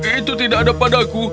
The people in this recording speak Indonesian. itu tidak ada padaku